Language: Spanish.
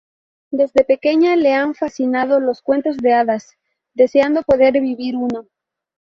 Desde pequeña le han fascinado los cuentos de hadas, deseando poder vivir uno.